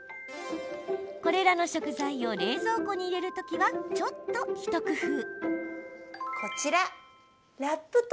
これらの食材を冷蔵庫に入れるときはちょっと一工夫。